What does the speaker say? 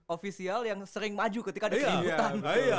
ofisial yang sering maju ketika ada sambutan